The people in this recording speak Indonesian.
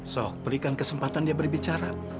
so berikan kesempatan dia berbicara